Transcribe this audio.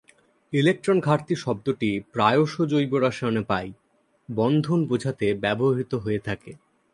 Electron ঘাটতি শব্দটি প্রায়শ জৈব রসায়নে পাই-বন্ধন বোঝাতে ব্যবহৃত হয়ে থাকে।